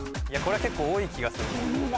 結構多い気がする。